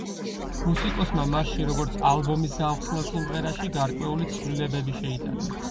მუსიკოსმა მასში, როგორც ალბომის გამხსნელ სიმღერაში, გარკვეული ცვლილებები შეიტანა.